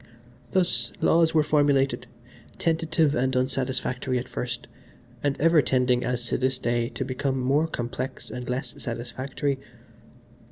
Thus, laws were formulated, tentative and unsatisfactory at first, and ever tending, as to this day, to become more complex and less satisfactory.